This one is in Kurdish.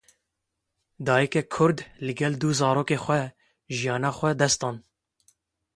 Dayîkeke Kurd li gel du zarokên xwe jiyana xwe ji dest dan.